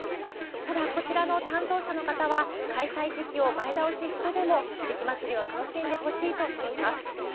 ただ、こちらの担当者の方は、開催時期を前倒ししてでも、雪まつりを楽しんでほしいとしています。